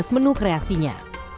sebelas menu kreasinya